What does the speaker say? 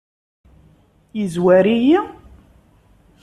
Yezwar-iyi?